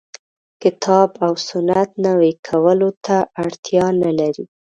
کتاب او سنت نوي کولو ته اړتیا نه لري.